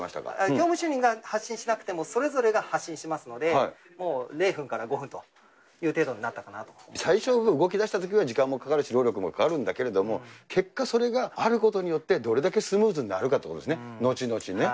教務主任が発信しなくても、それぞれが発信しますので、もう０分から５分という程度にな最初、動きだしたときは時間もかかるし、労力もかかるんだけど、結果、それがあることによって、どれだけスムーズになるかということですね、後々ね。